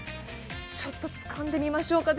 ちょっとつかんでみましょうか。